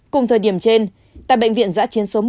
cùng thời điểm trên tại bệnh viện giã chiến số một